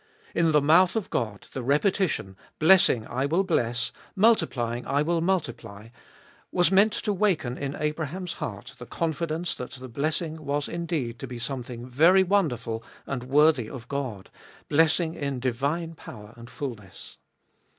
In the mouth of God the repetition, Blessing I will bless, multiplying I will multiply, was meant to waken in Abraham's heart the confidence that the blessing was indeed to be something very wonderful and worthy of God, blessing in divine power and fulness.